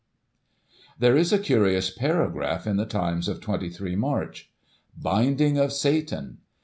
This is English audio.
There is a curious paragraph in the Times of 23 March r " Binding of Satan.